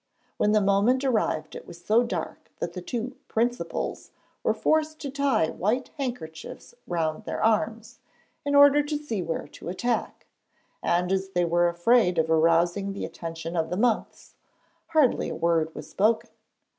When the moment arrived it was so dark that the two 'principals' were forced to tie white handkerchiefs round their arms, in order to see where to attack; and as they were afraid of arousing the attention of the monks, hardly a word was spoken.